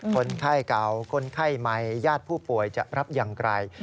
คนไข้เก่าคนไข้ใหม่ญาติผู้ป่วยจะรับอย่างไร